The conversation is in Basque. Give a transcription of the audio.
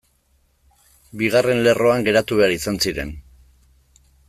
Bigarren lerroan geratu behar izan ziren.